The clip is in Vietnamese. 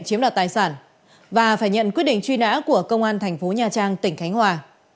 chiếm đoạt tài sản và phải nhận quyết định truy nã của công an thành phố nha trang tỉnh khánh hòa